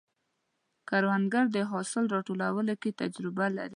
کروندګر د حاصل راټولولو کې تجربه لري